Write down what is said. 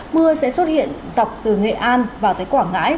mưa sẽ xuất hiện dọc từ nghệ an vào tới quảng ngãi